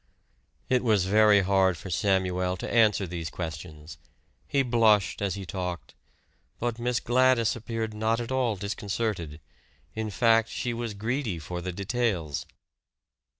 It was very hard for Samuel to answer these questions. He blushed as he talked; but Miss Gladys appeared not at all disconcerted in fact she was greedy for the details.